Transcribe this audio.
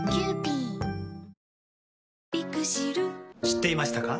知っていましたか？